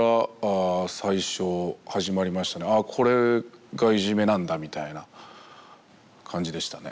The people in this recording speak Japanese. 「ああこれがいじめなんだ」みたいな感じでしたね。